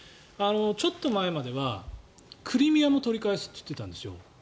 ちょっと前まではクリミアも取り返すと言っていたんです。